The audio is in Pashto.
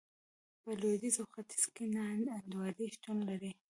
په لوېدیځ او ختیځ کې نا انډولي شتون لري.